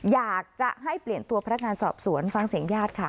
อยากจะให้เปลี่ยนตัวพนักงานสอบสวนฟังเสียงญาติค่ะ